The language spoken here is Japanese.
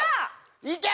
いけ！